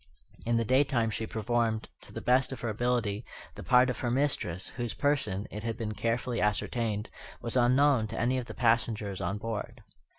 In the daytime she performed, to the best of her ability, the part of her mistress, whose person, it had been carefully ascertained, was unknown to any of the passengers on board.